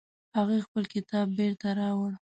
هغې خپل کتاب بیرته راوړ